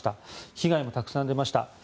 被害もたくさん出ました。